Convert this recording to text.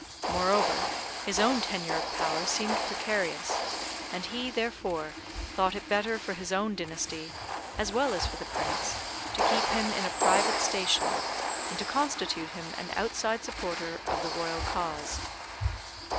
Moreover, his own tenure of power seemed precarious, and he, therefore, thought it better for his own dynasty, as well as for the Prince, to keep him in a private station, and to constitute him an outside supporter of the Royal cause.